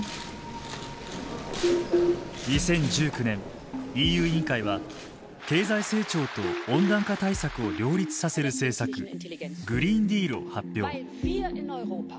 ２０１９年ＥＵ委員会は経済成長と温暖化対策を両立させる政策グリーンディールを発表。